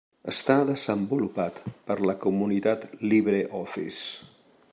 Està desenvolupat per la comunitat LibreOffice.